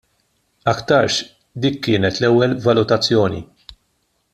Aktarx dik kienet l-ewwel valutazzjoni.